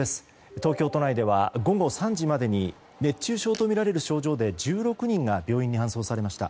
東京都内では午後３時までに熱中症とみられる症状で１６人が病院に搬送されました。